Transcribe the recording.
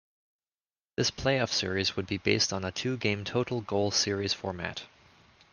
This playoff series would be based on a two-game total goal series format.